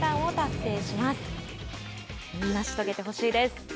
成し遂げてほしいです。